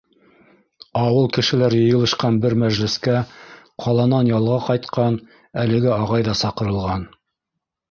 Ауыл кешеләре йыйылышҡан бер мәжлескә ҡаланан ялға ҡайтҡан әлеге ағай ҙа саҡырылған.